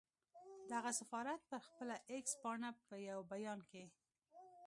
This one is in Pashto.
دغه سفارت پر خپله اېکس پاڼه په یو بیان کې